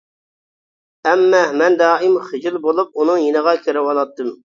ئەممە، مەن دائىم خىجىل بولۇپ ئۇنىڭ يېنىغا كىرىۋالاتتىم.